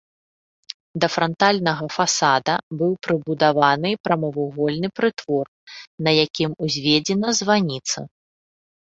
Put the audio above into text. Да франтальнага фасада быў прыбудаваны прамавугольны прытвор, над якім узведзена званіца.